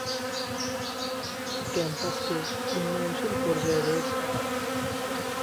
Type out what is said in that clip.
Campus টি উন্নয়নশীল পর্যায়ে রয়েছে।